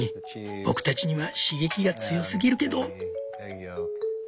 僕たちには刺激が強すぎるけど」。